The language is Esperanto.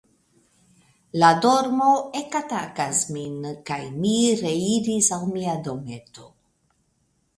La dormo ekatakas min, kaj mi reiris al mia dometo.